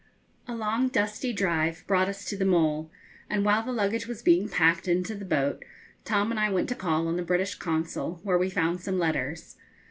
A long, dusty drive brought us to the mole, and while the luggage was being packed into the boat, Tom and I went to call on the British Consul, where we found some letters.